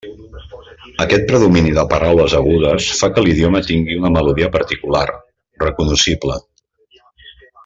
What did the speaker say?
Aquest predomini de paraules agudes fa que l'idioma tingui una melodia particular, recognoscible.